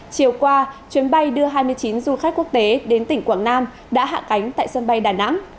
chiều qua chuyến bay đưa hai mươi chín du khách quốc tế đến tỉnh quảng nam đã hạ cánh tại sân bay đà nẵng